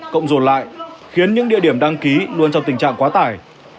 cộng dồn lại khiến những địa điểm đăng ký luôn trong tình trạng quá tải